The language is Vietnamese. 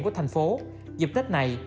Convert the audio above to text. của thành phố dịp tết này